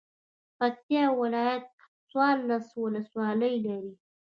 پکتيا ولايت څوارلس ولسوالۍ لري.